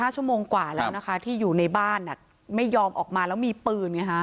ชั่วโมงกว่าแล้วนะคะที่อยู่ในบ้านไม่ยอมออกมาแล้วมีปืนไงฮะ